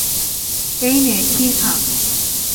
এই নে খিঁর খা।